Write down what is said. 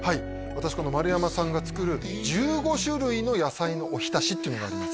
私この丸山さんが作る１５種類の野菜のおひたしっていうのがあるんです